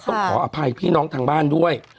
ขออภัยพี่น้องทางบ้านด้วย